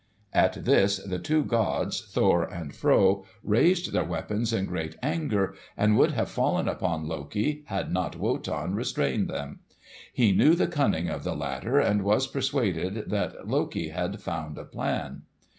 At this the two gods Thor and Fro raised their weapons in great anger, and would have fallen upon Loki, had not Wotan restrained them. He knew the cunning of the latter, and was persuaded that Loki had found a plan.